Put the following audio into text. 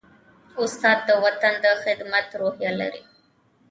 استاد د وطن د خدمت روحیه لري.